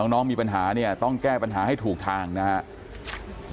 น้องมีปัญหาเนี่ยต้องแก้ปัญหาให้ถูกทางนะครับ